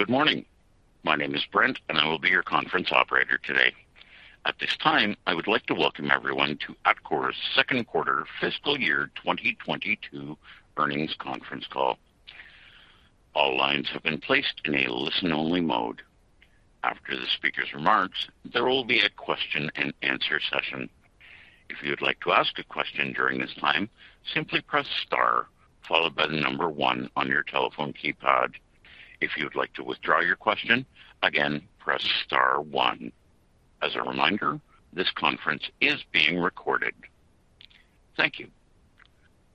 Good morning. My name is Brent, and I will be your conference operator today. At this time, I would like to Welcome everyone to Atkore's Second Quarter Fiscal Year 2022 Earnings Conference Call. All lines have been placed in a listen-only mode. After the speaker's remarks, there will be a question-and-answer session. If you'd like to ask a question during this time, simply press Star followed by the number one on your telephone keypad. If you would like to withdraw your question, again, press Star one. As a reminder, this conference is being recorded. Thank you.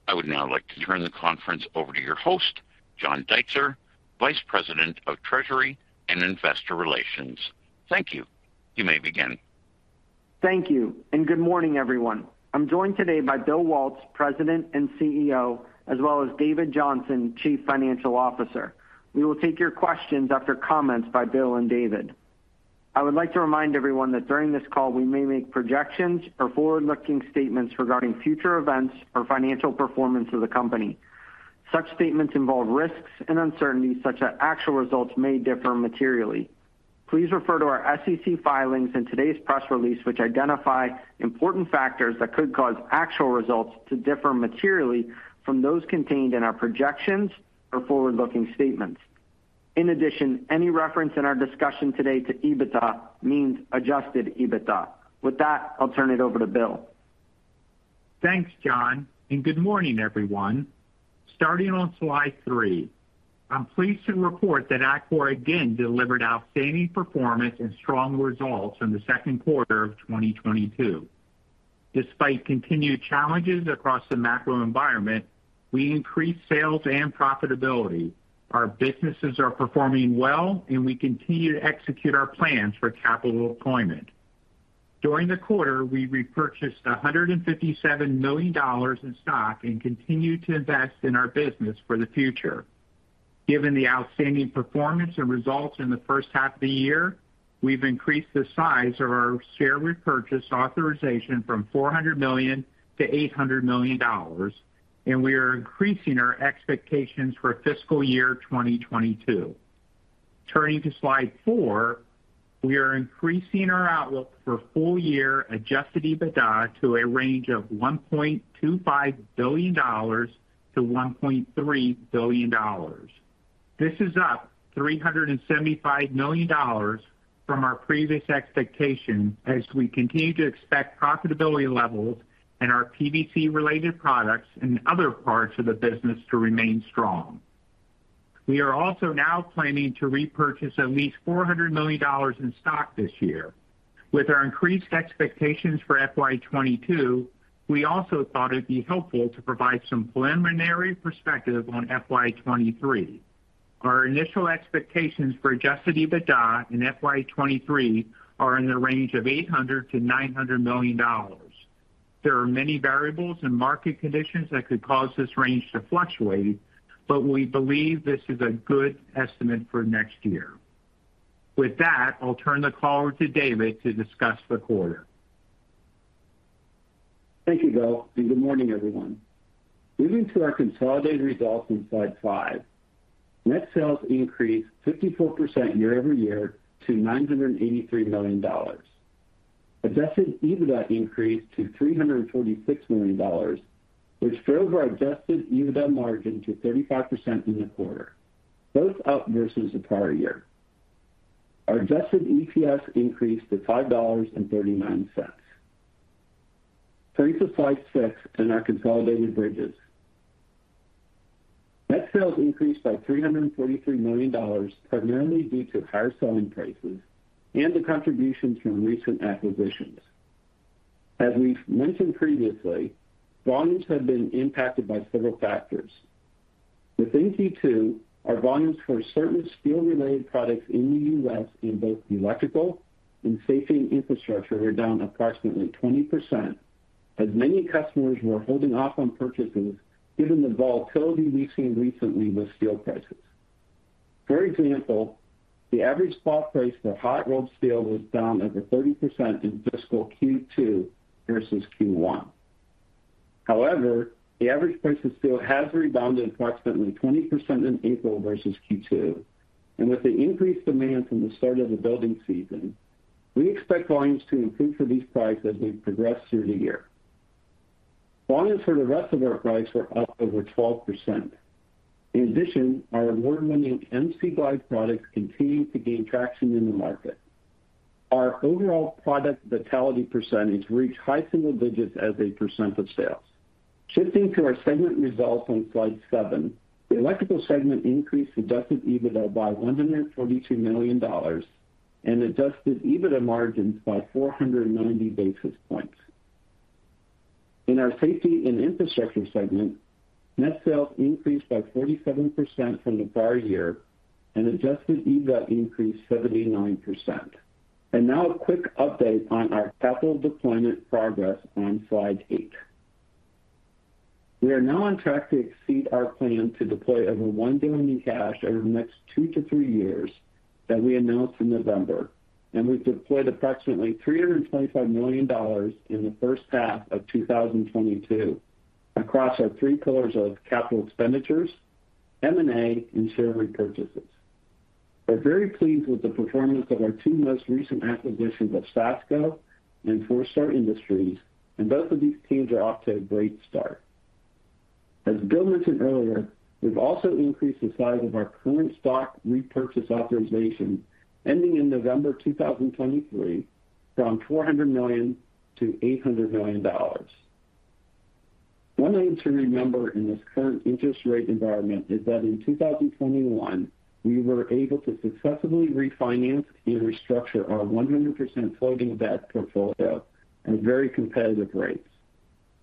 I would now like to turn the conference over to your host, John Deitzer, Vice President of Treasury and Investor Relations. Thank you. You may begin. Thank you, and good morning, everyone. I'm joined today by Bill Waltz, President and CEO, as well as David Johnson, Chief Financial Officer. We will take your questions after comments by Bill and David. I would like to remind everyone that during this call we may make projections or forward-looking statements regarding future events or financial performance of the company. Such statements involve risks and uncertainties such that actual results may differ materially. Please refer to our SEC filings in today's press release, which identify important factors that could cause actual results to differ materially from those contained in our projections or forward-looking statements. In addition, any reference in our discussion today to EBITDA means Adjusted EBITDA. With that, I'll turn it over to Bill. Thanks, John, and good morning, everyone. Starting on slide three, I'm pleased to report that Atkore again delivered outstanding performance and strong results in the second quarter of 2022. Despite continued challenges across the macro environment, we increased sales and profitability. Our businesses are performing well, and we continue to execute our plans for Capital Deployment. During the quarter, we repurchased $157 million in stock and continued to invest in our business for the future. Given the outstanding performance and results in the first half of the year, we've increased the size of our share repurchase authorization from $400 million to 800 million, and we are increasing our expectations for fiscal year 2022. Turning to slide four, we are increasing our outlook for full year Adjusted EBITDA to a range of $1.25 billion-1.3 billion. This is up $375 million from our previous expectation as we continue to expect profitability levels in our PVC-related products and other parts of the business to remain strong. We are also now planning to repurchase at least $400 million in stock this year. With our increased expectations for FY 2022, we also thought it'd be helpful to provide some preliminary perspective on FY 2023. Our initial expectations for Adjusted EBITDA in FY 2023 are in the range of $800 million-900 million. There are many variables and market conditions that could cause this range to fluctuate, but we believe this is a good estimate for next year. With that, I'll turn the call over to David to discuss the quarter. Thank you, Bill, and good morning, everyone. Moving to our consolidated results on slide five. Net sales increased 54% year-over-year to $983 million. Adjusted EBITDA increased to $346 million, which drove our Adjusted EBITDA margin to 35% in the quarter, both up versus the prior year. Our Adjusted EPS increased to $5.39. Turning to slide six and our consolidated bridges. Net sales increased by $343 million, primarily due to higher selling prices and the contributions from recent acquisitions. As we've mentioned previously, volumes have been impacted by several factors. Within Q2, our volumes for certain steel-related products in the U.S. in both electrical and safety and infrastructure were down approximately 20%, as many customers were holding off on purchases given the volatility we've seen recently with steel prices. For example, the average spot price for hot-rolled steel was down over 30% in fiscal Q2 versus Q1. However, the average price of steel has rebounded approximately 20% in April versus Q2. With the increased demand from the start of the building season, we expect volumes to improve for these products as we progress through the year. Volumes for the rest of our products were up over 12%. In addition, our award-winning MC Glide products continued to gain traction in the market. Our overall product vitality percentage reached high single digits as a percent of sales. Shifting to our segment results on slide seven, the electrical segment increased Adjusted EBITDA by $142 million and Adjusted EBITDA margins by 490 basis points. In our safety and infrastructure segment, net sales increased by 47% from the prior year and Adjusted EBITDA increased 79%. Now a quick update on our Capital Deployment progress on slide eight. We are now on track to exceed our plan to deploy over $1 billion in cash over the next two to three years that we announced in November, and we've deployed approximately $325 million in the first half of 2022. Across our three pillars of Capital Expenditures, M&A, and share repurchases. We're very pleased with the performance of our two most recent acquisitions of Sasco and Four Star Industries, and both of these teams are off to a great start. As Bill mentioned earlier, we've also increased the size of our current stock repurchase authorization ending in November 2023 from $400 million to 800 million. One thing to remember in this current interest rate environment is that in 2021, we were able to successfully refinance and restructure our 100% floating debt portfolio at very competitive rates.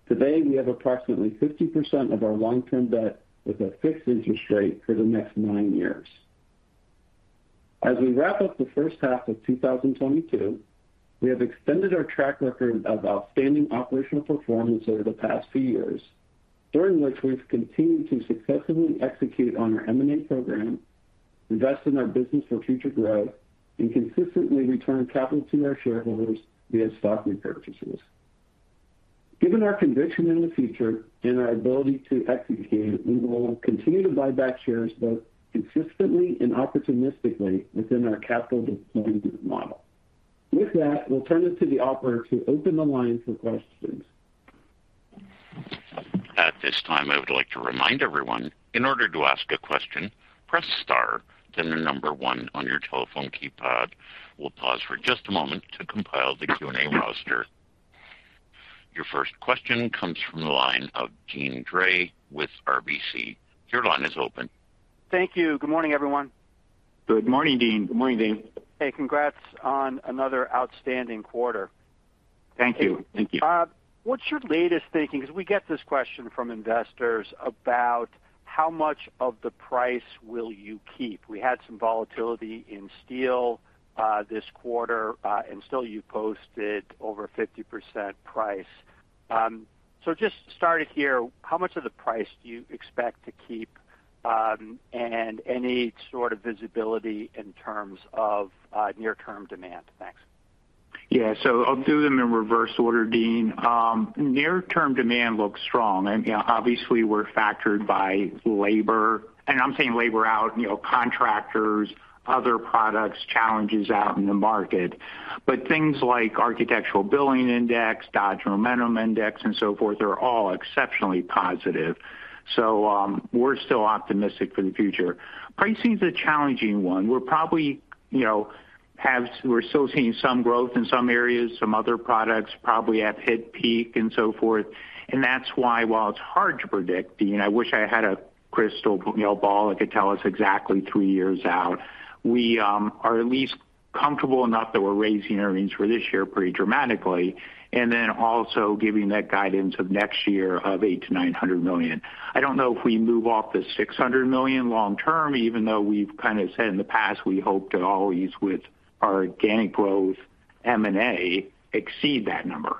Today, we have approximately 50% of our long-term debt with a fixed interest rate for the next nine years. As we wrap up the first half of 2022, we have extended our track record of outstanding operational performance over the past few years, during which we've continued to successfully execute on our M&A program, invest in our business for future growth, and consistently return capital to our shareholders via stock repurchases. Given our conviction in the future and our ability to execute, we will continue to buy back shares both consistently and opportunistically within our Capital Deployment Model. With that, we'll turn it to the operator to open the line for questions. At this time, I would like to remind everyone, in order to ask a question, press star, then the number one on your telephone keypad. We'll pause for just a moment to compile the Q&A roster. Your first question comes from the line of Deane Dray with RBC. Your line is open. Thank you. Good morning, everyone. Good morning, Deane. Good morning, Deane. Hey, congrats on another outstanding quarter. Thank you. Thank you. What's your latest thinking? 'Cause we get this question from investors about how much of the price will you keep. We had some volatility in steel, this quarter, and still you posted over 50% price. So just to start it here, how much of the price do you expect to keep, and any sort of visibility in terms of, near-term demand? Thanks. Yeah. I'll do them in reverse order, Deane. Near-term demand looks strong. You know, obviously, we're factored by labor. I'm saying labor out, you know, contractors, other products, challenges out in the market. Things like Architecture Billings Index, Dodge Momentum Index, and so forth are all exceptionally positive. We're still optimistic for the future. Pricing is a challenging one. We're probably, you know, we're still seeing some growth in some areas, some other products probably have hit peak and so forth. That's why while it's hard to predict, Deane, I wish I had a crystal, you know, ball that could tell us exactly three years out. We are at least comfortable enough that we're raising earnings for this year pretty dramatically, and then also giving that guidance of next year of $800 million-900 million. I don't know if we move off the $600 million long term, even though we've kind of said in the past we hope to always with our organic growth M&A exceed that number.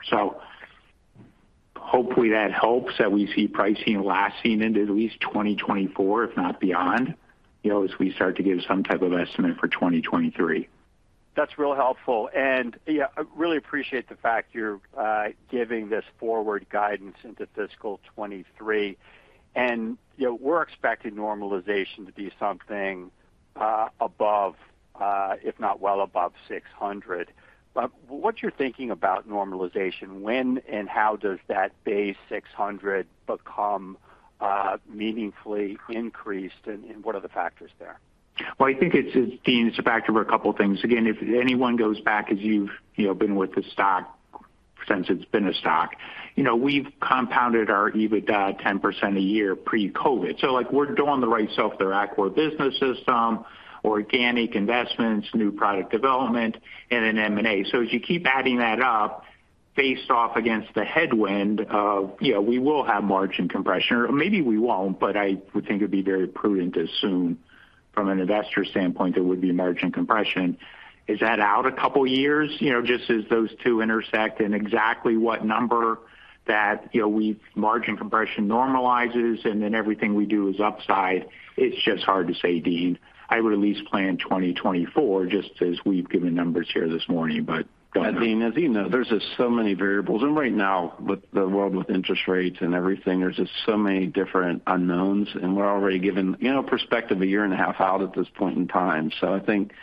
Hopefully that helps, that we see pricing lasting into at least 2024, if not beyond, you know, as we start to give some type of estimate for 2023. That's real helpful. Yeah, I really appreciate the fact you're giving this forward guidance into fiscal 2023. You know, we're expecting normalization to be something above, if not well above 600. What's your thinking about normalization? When and how does that base $600 million become meaningfully increased, and what are the factors there? Well, I think it's Deane, it's a factor of a couple of things. Again, if anyone goes back as you've, you know, been with the stock since it's been a stock, you know, we've compounded our EBITDA 10% a year pre-COVID. Like, we're doing the right stuff, the Atkore business system, organic investments, new product development, and then M&A. As you keep adding that up based off against the headwind of, you know, we will have margin compression, or maybe we won't, but I would think it'd be very prudent to assume from an investor standpoint there would be margin compression. Is that out a couple of years? You know, just as those two intersect and exactly what number that, you know, we've margin compression normalizes and then everything we do is upside. It's just hard to say, Deane. I would at least plan 2024 just as we've given numbers here this morning, Go ahead. Deane, as you know, there's just so many variables. Right now, with the world with interest rates and everything, there's just so many different unknowns, and we're already giving, you know, perspective a year and a half out at this point in time. I think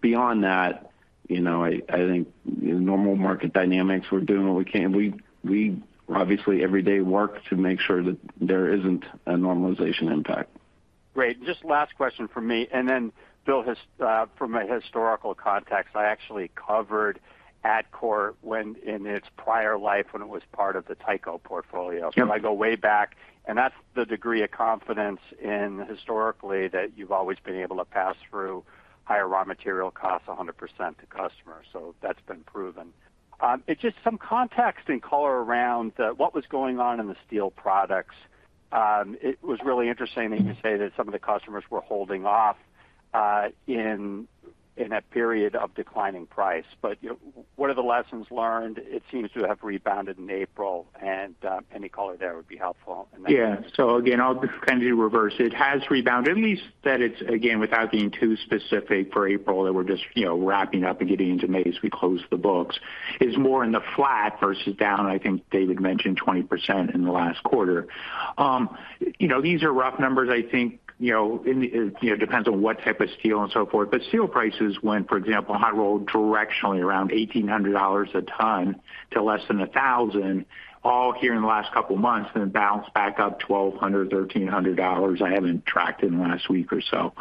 beyond that, you know, I think normal market dynamics, we're doing what we can. We obviously every day work to make sure that there isn't a normalization impact. Great. Just last question from me. Then Bill, from a historical context, I actually covered Atkore in its prior life when it was part of the Tyco portfolio. Yep. I go way back, and that's the degree of confidence in historically that you've always been able to pass through higher raw material costs 100% to customers. That's been proven. It's just some context and color around what was going on in the steel products. It was really interesting that you say that some of the customers were holding off in a period of declining price. But what are the lessons learned? It seems to have rebounded in April, and any color there would be helpful in that. Yeah. Again, I'll just kind of do reverse. It has rebounded, at least that it's again, without being too specific for April that we're just, you know, wrapping up and getting into May as we close the books, is more in the flat versus down. I think David mentioned 20% in the last quarter. You know, these are rough numbers. I think, you know, in the, you know, depends on what type of steel and so forth. But steel prices went, for example, hot-rolled directionally around $1,800 a ton to less than $1,000 all here in the last couple of months, and then bounced back up $1,200-1,300. I haven't tracked in the last week or so.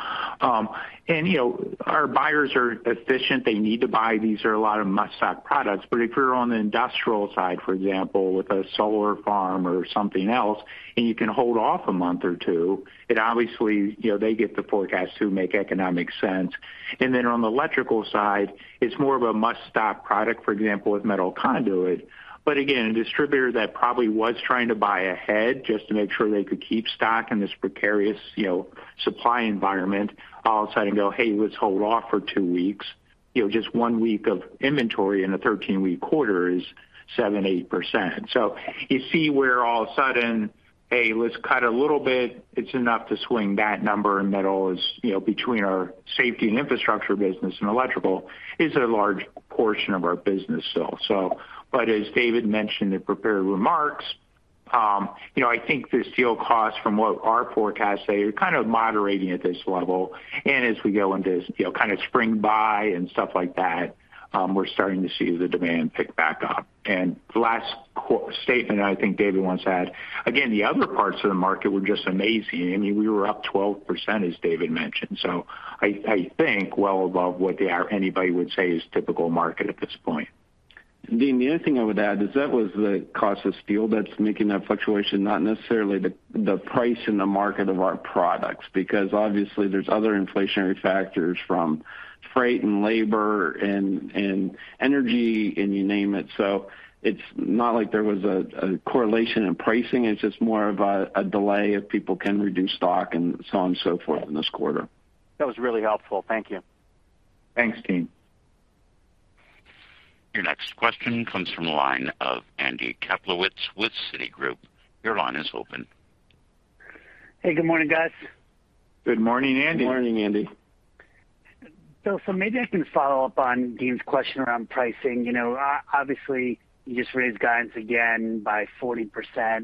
You know, our buyers are efficient. They need to buy. These are a lot of must-stock products. If you're on the industrial side, for example, with a solar farm or something else, and you can hold off a month or two, it obviously, you know, they get the forecast to make economic sense. On the electrical side, it's more of a must-have product, for example, with metal conduit. Again, a distributor that probably was trying to buy ahead just to make sure they could keep stock in this precarious, you know, supply environment all of a sudden go, "Hey, let's hold off for two weeks." You know, just one week of inventory in a 13-week quarter is 7%-8%. You see where all of a sudden, "Hey, let's cut a little bit." It's enough to swing that number in metals, you know, between our safety and infrastructure business and electrical is a large portion of our business still. As David mentioned in prepared remarks, you know, I think the steel costs from what our forecasts say are kind of moderating at this level. As we go into you know, kind of spring buy and stuff like that, we're starting to see the demand pick back up. The last quarter statement I think David once had, again, the other parts of the market were just amazing. I mean, we were up 12%, as David mentioned. I think well above what anybody would say is typical market at this point. Deane, the other thing I would add is that was the cost of steel that's making that fluctuation, not necessarily the price in the market of our products, because obviously there's other inflationary factors from freight and labor and energy, and you name it. It's not like there was a correlation in pricing. It's just more of a delay if people can reduce stock and so on and so forth in this quarter. That was really helpful. Thank you. Thanks, Deane. Your next question comes from the line of Andrew Kaplowitz with Citigroup. Your line is open. Hey, Good morning, guys. Good morning, Andy. Good morning, Andy. Bill, maybe I can follow up on Deane's question around pricing. You know, obviously, you just raised guidance again by 40%.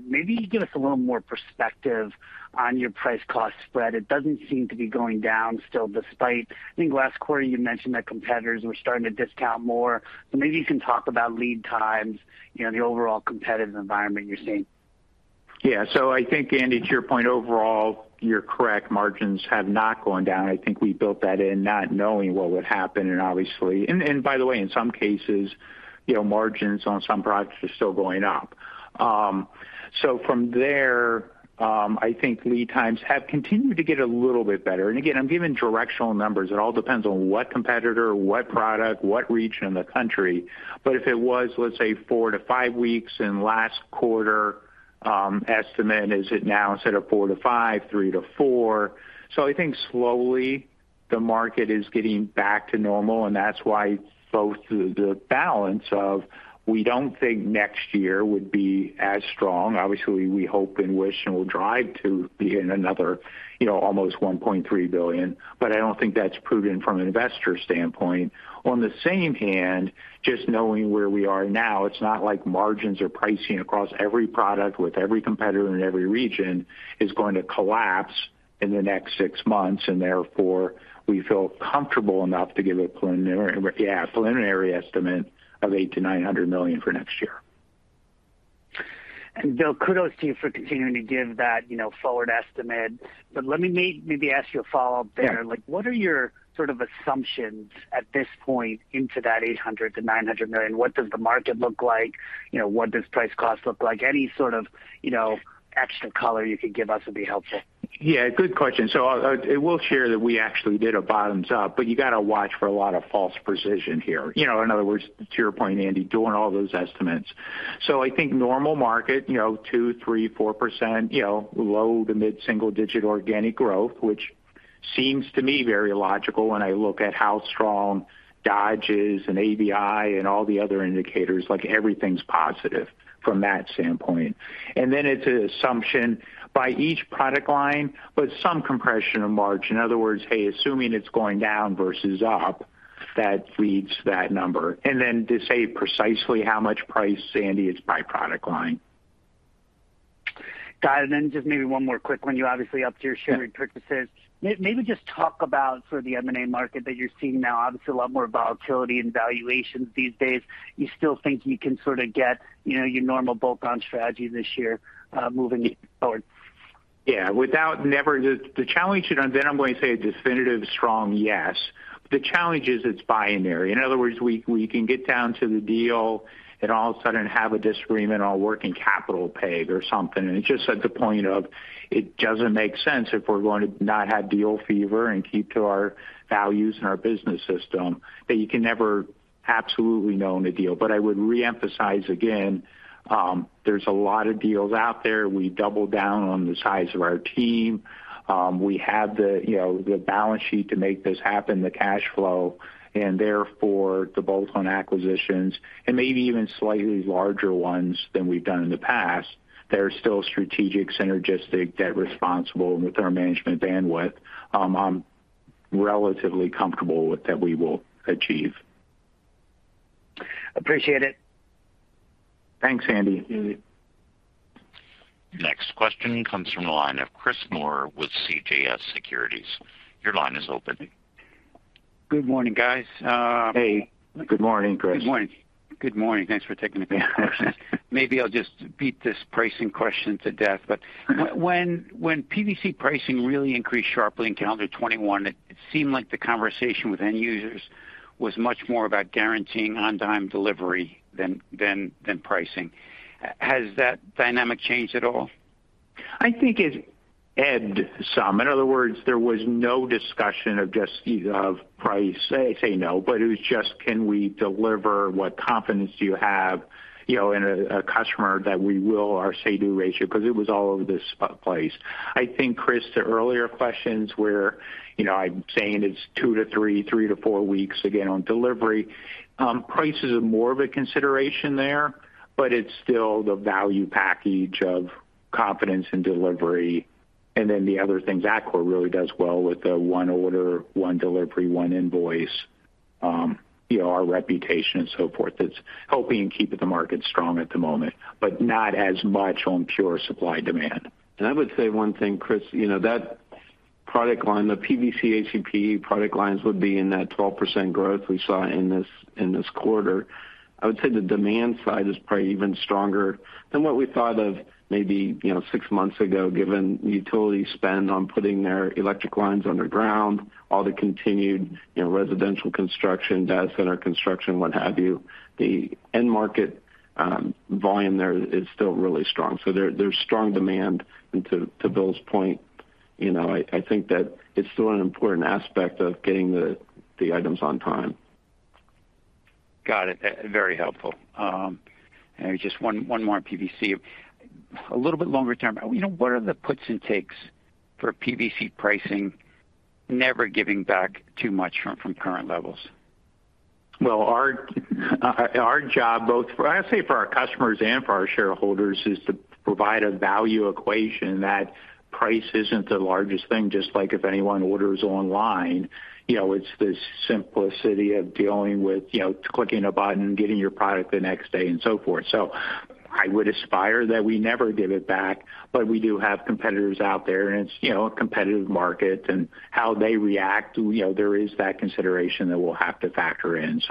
Maybe you give us a little more perspective on your price cost spread. It doesn't seem to be going down still, despite I think last quarter you mentioned that competitors were starting to discount more. Maybe you can talk about lead times, you know, the overall competitive environment you're seeing? Yeah. I think, Andy, to your point, overall, you're correct. Margins have not gone down. I think we built that in not knowing what would happen, and obviously. And by the way, in some cases, you know, margins on some products are still going up. From there, I think lead times have continued to get a little bit better. Again, I'm giving directional numbers. It all depends on what competitor, what product, what region in the country. If it was, let's say, four to five weeks in last quarter, estimate is it now instead of four to five, three to four. I think slowly the market is getting back to normal, and that's why both the balance of we don't think next year would be as strong. Obviously, we hope and wish and will drive to be in another, you know, almost $1.3 billion, but I don't think that's prudent from an investor standpoint. On the other hand, just knowing where we are now, it's not like margins or pricing across every product with every competitor in every region is going to collapse in the next six months, and therefore we feel comfortable enough to give a preliminary, yeah, preliminary estimate of $800 million-900 million for next year. Bill, kudos to you for continuing to give that, you know, forward estimate. Let me maybe ask you a follow-up there. Yeah. Like, what are your sort of assumptions at this point into that $800 million-900 million? What does the market look like? You know, what does price cost look like? Any sort of, you know, extra color you could give us would be helpful. Yeah, good question. I will share that we actually did a bottoms-up, but you got to watch for a lot of false precision here. You know, in other words, to your point, Andy, doing all those estimates. I think normal market, you know, 2%-4%, you know, low- to mid-single-digit organic growth, which seems to me very logical when I look at how strong Dodge is and ABI and all the other indicators, like everything's positive from that standpoint. It's an assumption by each product line, but some compression of margin. In other words, hey, assuming it's going down versus up, that leads that number. To say precisely how much price, Andy, it's by product line. Got it. Then just maybe one more quick one. You obviously upped your share repurchases. Maybe just talk about for the M&A market that you're seeing now, obviously a lot more volatility in valuations these days. You still think you can sort of get, you know, your normal bolt-on strategy this year, moving forward? Yeah. The challenge, you know, then I'm going to say a definitive strong yes. The challenge is it's binary. In other words, we can get down to the deal and all of a sudden have a disagreement on working capital paid or something. It's just at the point of it doesn't make sense if we're going to not have deal fever and keep to our values and our business system, that you can never absolutely no in the deal. I would reemphasize again, there's a lot of deals out there. We doubled down on the size of our team. We have you know, the balance sheet to make this happen, the cash flow, and therefore the bolt-on acquisitions and maybe even slightly larger ones than we've done in the past. They're still Strategic, Synergistic, Debt Rresponsible, and with our management bandwidth, I'm relatively comfortable with that we will achieve. Appreciate it. Thanks, Andy. Next question comes from the line of Chris Moore with CJS Securities. Your line is open. Good morning, guys. Hey. Good morning, Chris. Good morning. Good morning. Thanks for taking the questions. Maybe I'll just beat this pricing question to death. When PVC pricing really increased sharply in calendar 2021, it seemed like the conversation with end users was much more about guaranteeing on-time delivery than pricing. Has that dynamic changed at all? I think it ebbed some. In other words, there was no discussion of just, you know, of price, say no, but it was just, "Can we deliver? What confidence do you have, you know, in a customer that we will our say-do ratio?" Because it was all over the place. I think, Chris, to earlier questions where, you know, I'm saying it's two to three, three to four weeks again on delivery, price is more of a consideration there, but it's still the value package of confidence and delivery, and then the other things. Atkore really does well with the one order, one delivery, one invoice, you know, our reputation and so forth. It's helping keep the market strong at the moment, but not as much on pure supply-demand. I would say one thing, Chris, you know, that product line, the PVC-ACP product lines would be in that 12% growth we saw in this quarter. I would say the demand side is probably even stronger than what we thought of maybe, you know, six months ago, given the utility spend on putting their electric lines underground, all the continued, you know, residential construction, data center construction, what have you. The end market volume there is still really strong. So there's strong demand. To Bill's point, you know, I think that it's still an important aspect of getting the items on time. Got it. Very helpful. Just one more on PVC. A little bit longer term, you know, what are the puts and takes for PVC pricing never giving back too much from current levels? Well, our job, both for, I say for our customers and for our shareholders, is to provide a value equation that price isn't the largest thing, just like if anyone orders online. You know, it's the simplicity of dealing with, you know, clicking a button and getting your product the next day and so forth. I would aspire that we never give it back, but we do have competitors out there, and it's, you know, a competitive market and how they react. You know, there is that consideration that we'll have to factor in.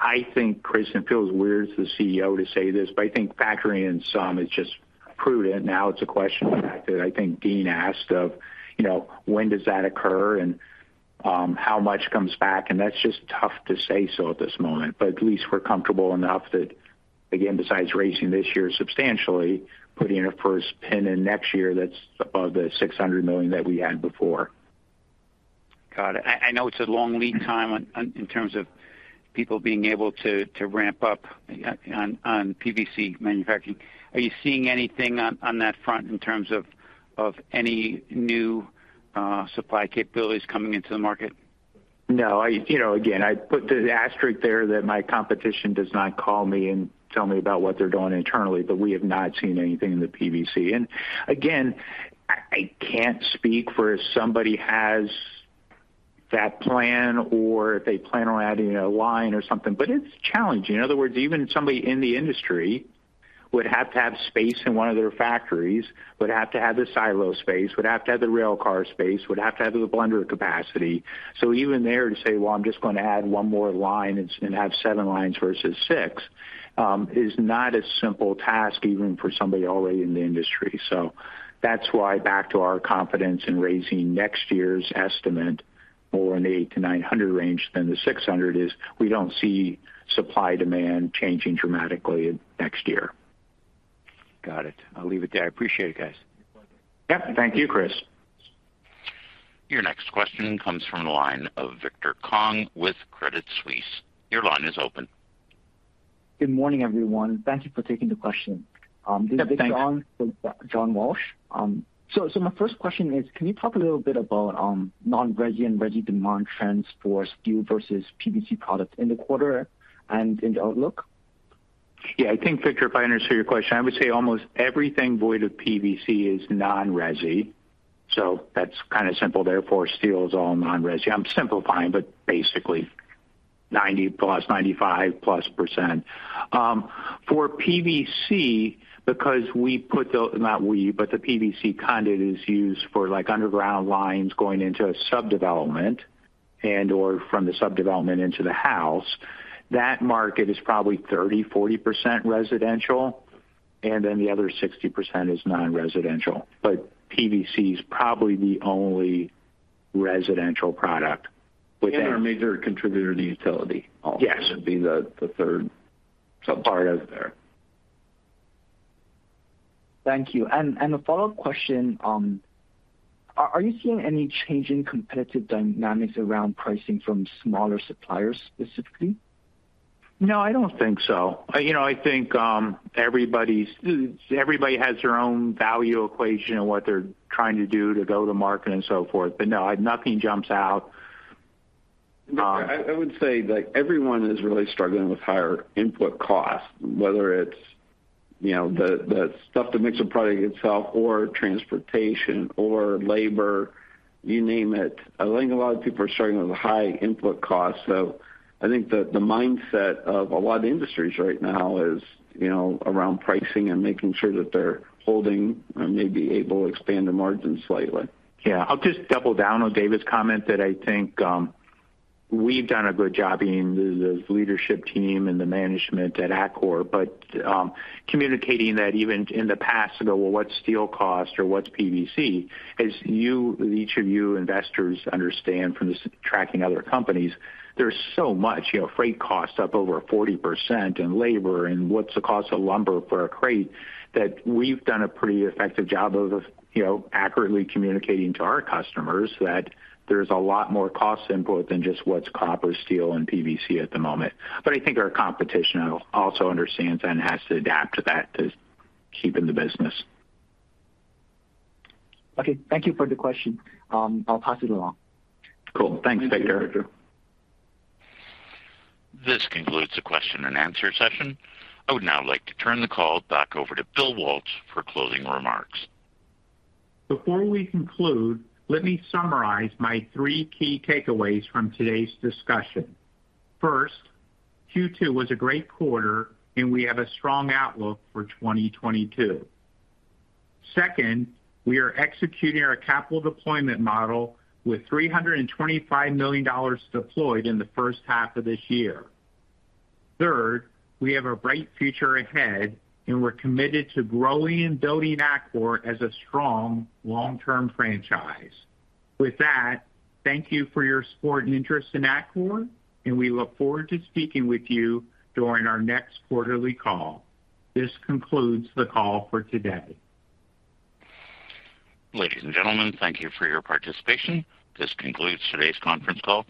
I think, Chris, and it feels weird as the CEO to say this, but I think factoring in some is just prudent. Now, it's a question of the fact that I think Deane asked of, you know, when does that occur and how much comes back? That's just tough to say so at this moment. At least we're comfortable enough that, again, besides raising this year substantially, putting a first pin in next year that's above the $600 million that we had before. Got it. I know it's a long lead time on in terms of people being able to ramp up on PVC manufacturing. Are you seeing anything on that front in terms of any new supply capabilities coming into the market? No. You know, again, I put the asterisk there that my competition does not call me and tell me about what they're doing internally, but we have not seen anything in the PVC. And again, I can't speak for if somebody has that plan or if they plan on adding a line or something, but it's challenging. In other words, even somebody in the industry would have to have space in one of their factories, would have to have the silo space, would have to have the rail car space, would have to have the blender capacity. Even there to say, "Well, I'm just gonna add one more line and have seven lines versus six," is not a simple task even for somebody already in the industry. That's why back to our confidence in raising next year's estimate more in the $800-900 range than the $600 is we don't see supply demand changing dramatically next year. Got it. I'll leave it there. I appreciate it, guys. Yep. Thank you, Chris. Your next question comes from the line of Victor Kong with Credit Suisse. Your line is open. Good morning, everyone. Thank you for taking the question. Yeah. Thanks. This is John, John Walsh. My first question is, can you talk a little bit about non-resi and resi demand trends for steel versus PVC products in the quarter and in the outlook? Yeah. I think, Victor, if I understood your question, I would say almost everything void of PVC is non-resi. That's kinda simple. Therefore, steel is all non-resi. I'm simplifying, but basically 90+, 95+%. For PVC, because the PVC conduit is used for, like, underground lines going into a subdivision and/or from the subdivision into the house, that market is probably 30%-40% residential, and then the other 60% is non-residential. PVC is probably the only residential product within- Our major contributor to the utility. Yes Also would be the third subpart of there. Thank you. A follow-up question, are you seeing any change in competitive dynamics around pricing from smaller suppliers specifically? No, I don't think so. You know, I think, everybody has their own value equation and what they're trying to do to go to market and so forth. No, nothing jumps out. I would say that everyone is really struggling with higher input costs, whether it's, you know, the stuff that makes the product itself or transportation or labor, you name it. I think a lot of people are struggling with high input costs. I think the mindset of a lot of industries right now is, you know, around pricing and making sure that they're holding or maybe able to expand the margins slightly. Yeah. I'll just double down on David's comment that I think we've done a good job in the leadership team and the management at Atkore. But communicating that even in the past to "what's steel cost or what's PVC?" As you, each of you investors understand from this tracking other companies, there's so much. You know, freight costs up over 40% and labor and what's the cost of lumber for a crate, that we've done a pretty effective job of, you know, accurately communicating to our customers that there's a lot more cost input than just what's copper, steel and PVC at the moment. I think our competition also understands and has to adapt to that to keep in the business. Okay, thank you for the question. I'll pass it along. Cool. Thanks, Victor. Thanks, Victor. This concludes the question and answer session. I would now like to turn the call back over to Bill Waltz for closing remarks. Before we conclude, let me summarize my three key takeaways from today's discussion. First, Q2 was a great quarter, and we have a strong outlook for 2022. Second, we are executing our Capital Deployment Model with $325 million deployed in the first half of this year. Third, we have a bright future ahead, and we're committed to growing and building Atkore as a strong long-term franchise. With that, thank you for your support and interest in Atkore, and we look forward to speaking with you during our next quarterly call. This concludes the call for today. Ladies and gentlemen, thank you for your participation. This concludes today's conference call.